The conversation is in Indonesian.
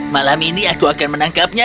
malam ini aku akan menangkapnya